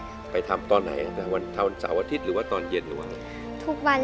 รายการต่อไปนี้เป็นรายการทั่วไปสามารถรับชมได้ทุกวัย